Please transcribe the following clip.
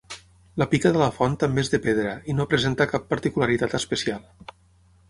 La pica de la font també és de pedra i no presenta cap particularitat especial.